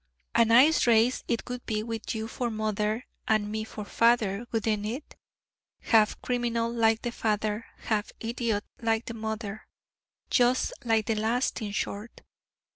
A nice race it would be with you for mother, and me for father, wouldn't it? half criminal like the father, half idiot like the mother: just like the last, in short.